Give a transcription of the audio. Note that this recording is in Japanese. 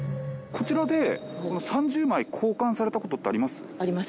こちらで３０枚交換された事ってあります？